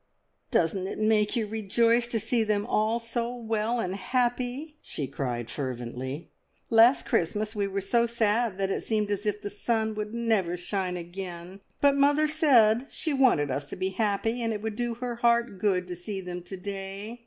"Doesn't it make you rejoice to see them all so well and happy?" she cried fervently. "Last Christmas we were so sad that it seemed as if the sun would never shine again; but mother said she wanted us to be happy, and it would do her heart good to see them to day.